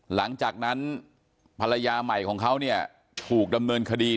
หลังจากนั้นภรรยาใหม่ของเขาเนี่ยถูกดำเนินคดี